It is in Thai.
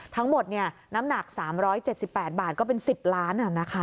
ทั้งหมดเนี่ยน้ำหนัก๓๗๘บาทก็เป็น๑๐ล้านอ่ะนะคะ